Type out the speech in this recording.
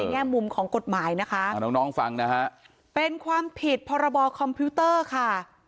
แง่มุมของกฎหมายนะคะน้องน้องฟังนะฮะเป็นความผิดพรบคอมพิวเตอร์ค่ะ